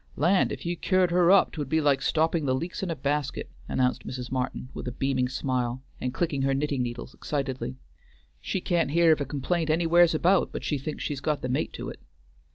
"Land, if you cured her up 'twould be like stopping the leaks in a basket," announced Mrs. Martin with a beaming smile, and clicking her knitting needles excitedly. "She can't hear of a complaint anywheres about but she thinks she's got the mate to it."